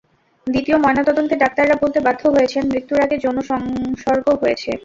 দ্বিতীয় ময়নাতদন্তে ডাক্তাররা বলতে বাধ্য হয়েছেন মৃত্যুর আগে যৌন সংসর্গ হয়েছে।